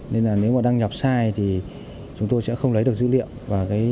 nếu đăng nhập sai thì chúng tôi sẽ không lấy được dữ liệu